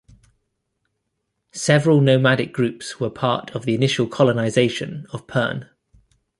Several nomadic groups were part of the initial colonization of Pern.